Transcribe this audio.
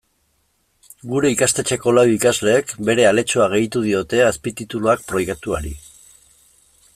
Gure ikastetxeko lau ikasleek bere aletxoa gehitu diote azpitituluak proiektuari.